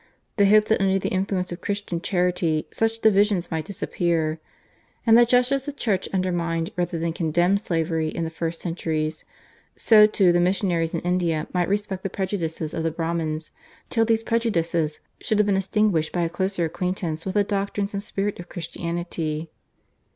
They hoped that under the influence of Christian charity such divisions might disappear, and that just as the Church undermined rather than condemned slavery in the first centuries, so too the missionaries in India might respect the prejudices of the Brahmins till these prejudices should have been extinguished by a closer acquaintance with the doctrines and spirit of Christianity.